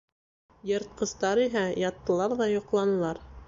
Йыртҡыстар иһә яттылар ҙа йоҡланылар.